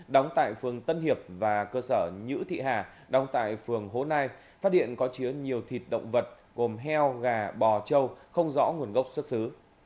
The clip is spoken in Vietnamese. đóng tại phường tân hiệp và cơ sở nhữ thị hà đóng tại phường hố nai phát hiện có chứa nhiều thịt động vật gồm heo gà bò châu không rõ nguồn gốc xuất xứ